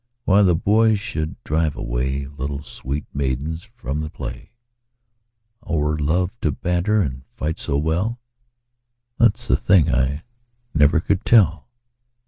Why the boys should drive away Little sweet maidens from the play, Or love to banter and fight so well, That 's the thing I never could tell.